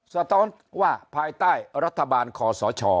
สะท้อนว่าภายใต้รัฐบาลคอสช